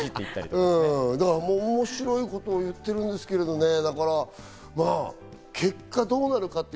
面白いことを言ってるんですけど、結果どうなるか。